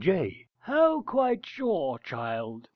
J._ How quite sure, child?